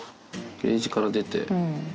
ケージから出て。